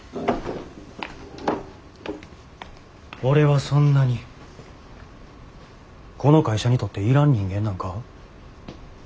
俺はそんなにこの会社にとっていらん人間なんか？